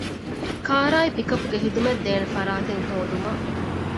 ކާރާއި ޕިކަޕްގެ ޚިދުމަތްދޭނެ ފަރާތެއް ހޯދުމަށް